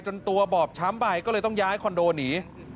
ตัวบอบช้ำไปก็เลยต้องย้ายคอนโดหนี